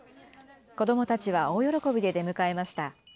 子どもたちは大喜びで出迎えました。